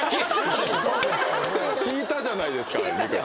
聞いたじゃないですか。